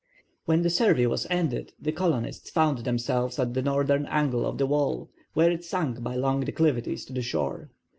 When the survey was ended the colonists found themselves at the northern angle of the wall, where it sunk by long declivities to the shore.